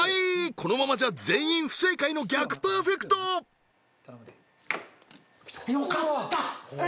このままじゃ全員不正解の逆パーフェクト頼むでえっ？